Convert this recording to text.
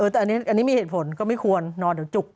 แต่อันนี้มีเหตุผลก็ไม่ควรนอนเดี๋ยวจุก